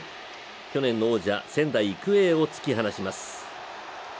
去年の王者、仙台育英を突き放します。